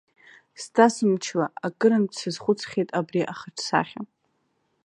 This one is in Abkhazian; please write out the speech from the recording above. Сҵасымчла, акырынтә сазхәыцхьеит абри ахаҿсахьа.